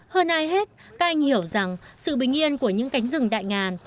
hơn ai hết các anh hiểu rằng sự bình yên của những cánh rừng đại ngàn